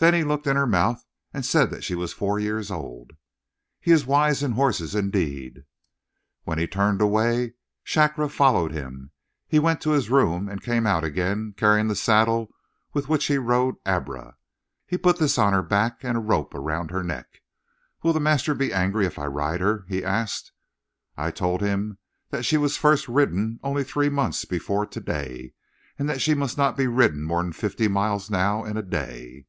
"Then he looked in her mouth and said that she was four years old." "He is wise in horses, indeed." "When he turned away Shakra followed him; he went to his room and came out again, carrying the saddle with which he rode Abra. He put this on her back and a rope around her neck. 'Will the master be angry if I ride her?' he asked. "I told him that she was first ridden only three months before to day, and that she must not be ridden more than fifty miles now in a day.